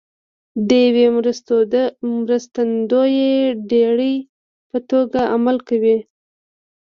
د یوې مرستندویه دړې په توګه عمل کوي